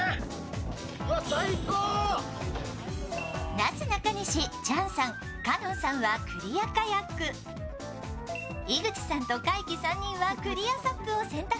なすなかにし、チャンさん、香音さんはクリアカヤック、井口さんと怪奇３人はクリアＳＵＰを選択。